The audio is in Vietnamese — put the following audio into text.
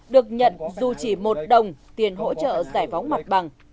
được nhận dù chỉ một đồng tiền hỗ trợ giải phóng mặt bằng